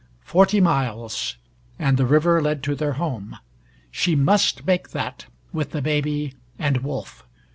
Forty miles and the river led to their home! She must make that, with the baby and Wolf.